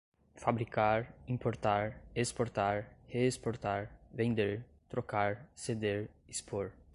fabricar, importar, exportar, reexportar, vender, trocar, ceder, expor